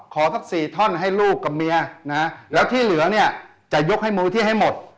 สัก๔ท่อนให้ลูกกับเมียนะแล้วที่เหลือเนี่ยจะยกให้มือที่ให้หมด